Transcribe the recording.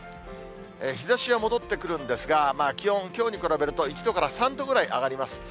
日ざしは戻ってくるんですが、気温、きょうに比べると１度から３度ぐらい上がります。